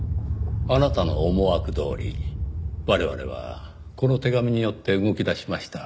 あなたの思惑どおり我々はこの手紙によって動き出しました。